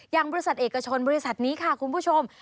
อย่างบริษัทเอกชนบริษัทนี้ค่ะคุณผู้ชม